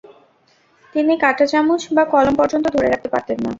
তিনি কাঁটাচামচ বা কলম পর্যন্ত ধরে রাখতে পারতেন না ।